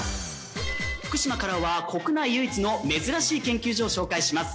福島からは国内唯一の珍しい研究所を紹介します